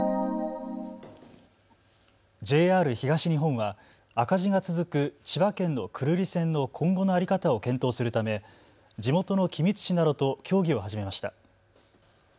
ＪＲ東日本は赤字が続く千葉県の久留里線の今後の在り方を検討するため地元の君津市などと協議を始めました。